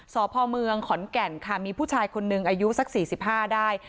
สพเมืองขอนแก่นค่ะมีผู้ชายคนหนึ่งอายุสัก๔๕ได้